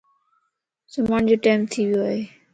سمھڻ جو ٽيم ٿي ويو ائي